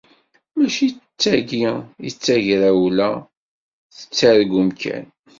Mačči d tayi i d tagrawla, tettargum kan.